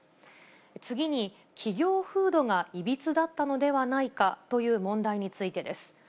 次に、企業風土がいびつだったのではないかという問題についてです。